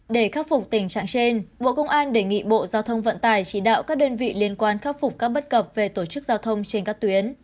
để khắc phục tình trạng trên bộ công an đề nghị bộ giao thông vận tải chỉ đạo các đơn vị liên quan khắc phục các bất cập về tổ chức giao thông trên các tuyến